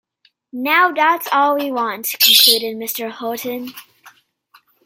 "Now that's all we want," concluded Mr. Houghton.